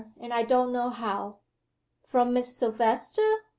And I don't know how." "From Miss Silvester?"